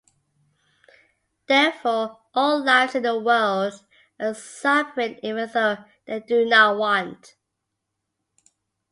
Therefore, all lives in the world are suffering even though they do not want.